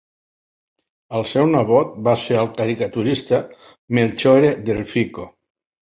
El seu nebot va ser el caricaturista Melchiorre Delfico.